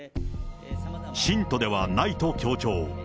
信徒ではないと強調。